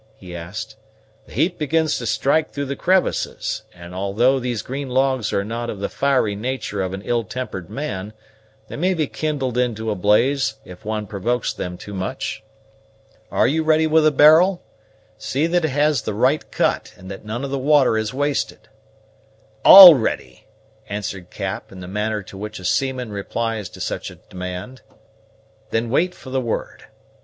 he asked. "The heat begins to strike through the crevices; and although these green logs are not of the fiery natur' of an ill tempered man, they may be kindled into a blaze if one provokes them too much. Are you ready with the barrel? See that it has the right cut, and that none of the water is wasted." "All ready!" answered Cap, in the manner in which a seaman replies to such a demand. "Then wait for the word.